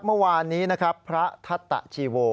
เมื่อวานนี้นะครับพระทัตตะชีโว